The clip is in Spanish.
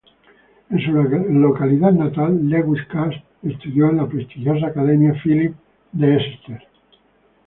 En su localidad natal Lewis Cass estudió en la prestigiosa Academia Phillips de Exeter.